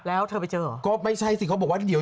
อาจจะครบ๓บาท